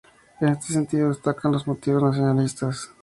En este sentido destacan los motivos nacionalistas.